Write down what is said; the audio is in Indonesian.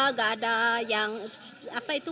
nggak ada yang apa itu